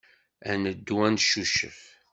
Ad neddu ad neccucef.